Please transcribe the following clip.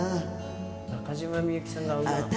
中島みゆきさんが合うなあ。